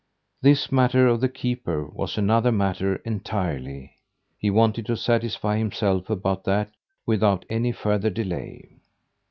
This matter of the keeper was another matter entirely. He wanted to satisfy himself about that without any further delay.